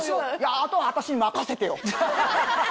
あとは私に任せてよ。